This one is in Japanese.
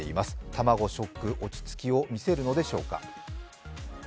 卵ショック、落ち着きを見せるのでしょうか。